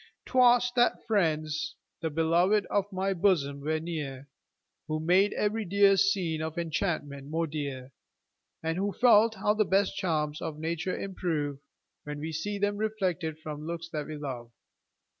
'Twas that friends, the beloved of my bosom, were near, Who made every dear scene of enchantment more dear, And who felt how the best charms of nature improve, When we see them reflected from looks that we love.